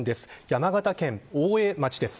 山形県大江町です。